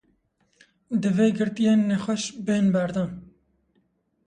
Divê girtiyên nexweş bên berdan.